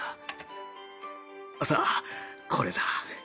さあこれだ